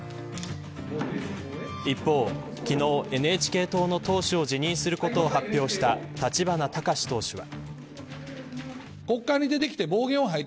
一方、昨日ＮＨＫ党の党首を辞任することを発表した立花孝志党首は。